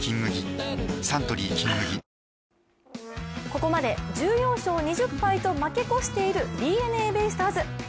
ここまで１４戦２０敗と負け越しているＤｅＮＡベイスターズ。